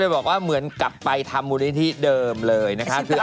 ก็เลยบอกว่าเหมือนกลับไปทำบุริษฐีเดิมเลยนะครับ